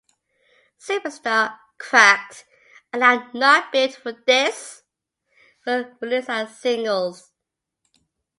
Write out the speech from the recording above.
Superstar, Cracked and I'm Not Built For This were released as singles.